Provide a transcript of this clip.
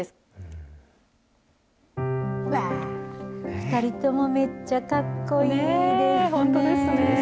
２人ともめっちゃかっこいいですね。